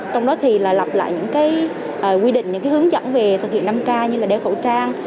trong đó thì là lặp lại những cái quy định những cái hướng dẫn về thực hiện năm k như là đeo khẩu trang